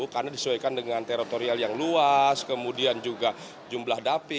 karena disuaikan dengan teritorial yang luas kemudian juga jumlah dapil